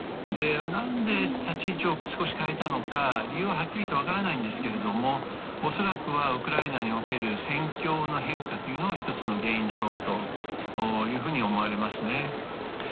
何で立ち位置を少し変えたか理由ははっきり分かりませんが恐らくはウクライナにおける戦況の変化が１つの原因だろうと思われますね。